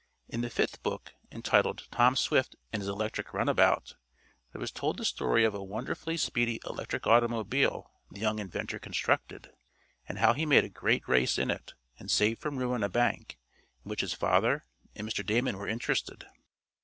In the fifth book, entitled "Tom Swift and His Electric Runabout," there was told the story of a wonderfully speedy electric automobile the young inventor constructed, and how he made a great race in it, and saved from ruin a bank, in which his father and Mr. Damon were interested.